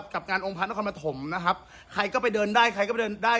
กับการองค์พระนครปฐมนะครับใครก็ไปเดินได้ใครก็ไปเดินได้